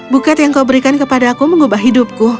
buket yang kau berikan kepada aku mengubah hidupku